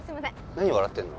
何笑ってんの？